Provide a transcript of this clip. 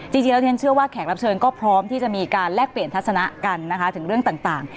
จริงแล้วฉันเชื่อว่าแขกรับเชิญก็พร้อมที่จะมีการแลกเปลี่ยนทัศนะกันนะคะถึงเรื่องต่าง